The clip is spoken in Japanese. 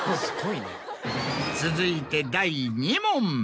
続いて第２問。